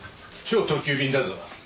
超特急便だぞ。